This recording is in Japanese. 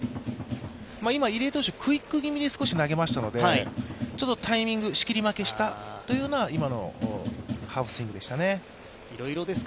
今、入江投手、クイック気味に投げましたのでちょっとタイミング、仕切り負けしたという今のハーフスイングでしたね。